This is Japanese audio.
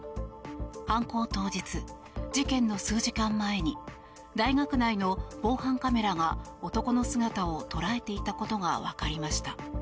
犯行当日、事件の数時間前に大学内の防犯カメラが男の姿を捉えていたことが分かりました。